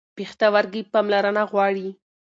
پښتورګي پاملرنه غواړي.